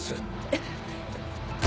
えっ⁉